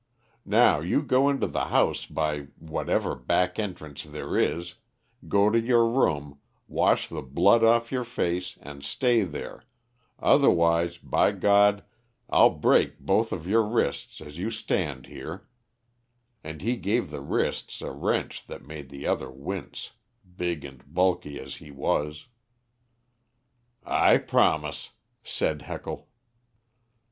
Now you go into the house by whatever back entrance there is, go to your room, wash the blood off your face, and stay there, otherwise, by God, I'll break both of your wrists as you stand here," and he gave the wrists a wrench that made the other wince, big and bulky as he was. "I promise," said Heckle.